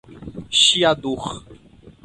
Chiador